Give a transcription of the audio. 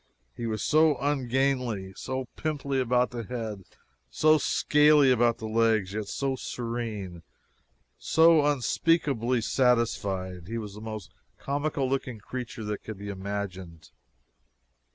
He was so ungainly, so pimply about the head, so scaly about the legs, yet so serene, so unspeakably satisfied! He was the most comical looking creature that can be imagined.